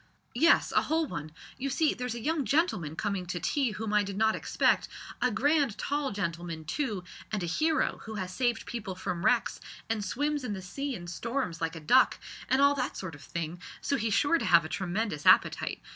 "Yes, a whole one. You see there's a young gentleman coming to tea whom I did not expect a grand tall gentleman too, and a hero, who has saved people from wrecks, and swims in the sea in storms like a duck, and all that sort of thing, so he's sure to have a tremendous appetite.